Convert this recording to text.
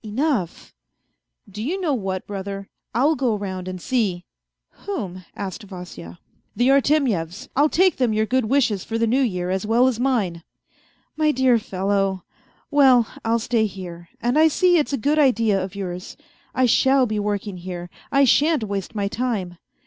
" Enough !"" Do you know what, brother, I'll go round and see. ..."" Whom ?" asked Vasya. " The Artemyevs. I'll take them your good wishes for the New Year as well as mine." " My dear fellow ! Well, I'll stay here ; and I see it's a good idea of yours ; I shall be working here, I shan't waste my time.